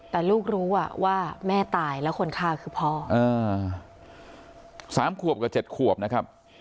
แต่ลูกรู้อ่ะว่าแม่ตายแล้วคนฆ่าคือพ่อเออสามขวบกับเจ็ดขวบนะครับ